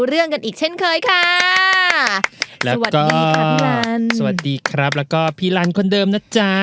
เรื่องกันอีกเช่นเคยค่ะสวัสดีค่ะพี่ลันสวัสดีครับแล้วก็พี่ลันคนเดิมนะจ๊ะ